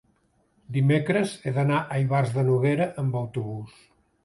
dimecres he d'anar a Ivars de Noguera amb autobús.